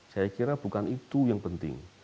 saya kira bukan itu yang penting